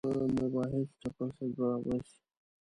که مباحثو ته فرصت برابر شي.